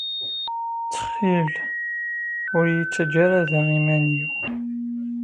Ttxil ur iyi-ttaǧǧa ara da iman-iw.